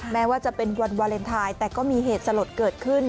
แม้ว่าจะเป็นวันวาเลนไทยแต่ก็มีเหตุสลดเกิดขึ้น